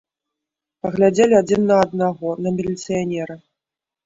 Паглядзелі адзін на аднаго, на міліцыянера.